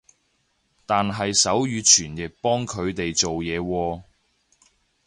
但係手語傳譯幫佢哋做嘢喎